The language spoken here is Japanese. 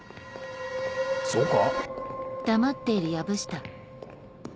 そうか？